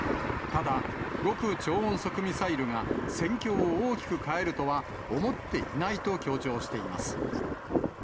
ただ、極超音速ミサイルが、戦況を大きく変えるとは思っていないと強調しています。